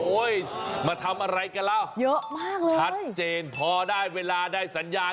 โอ๊ยมาทำอะไรกันแล้วชัดเจนพอได้เวลาได้สัญญาณ